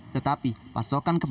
tetapi pasokan kepala